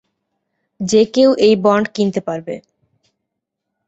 যে কেউ এই বন্ড কিনতে পারবে।